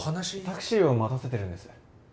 タクシーを待たせてるんです。